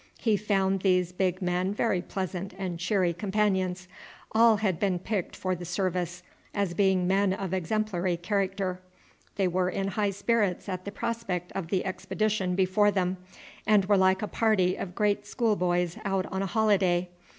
He found these big men very pleasant and cheery companions. All had been picked for the service as being men of exemplary character; they were in high spirits at the prospect of the expedition before them, and were like a party of great school boys out on a holiday.